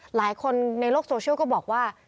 หลายคนในโลกโซเชียลก็บอกว่า